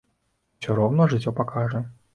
Усё роўна жыццё пакажа.